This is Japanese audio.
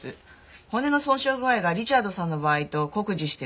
骨の損傷具合がリチャードさんの場合と酷似してる。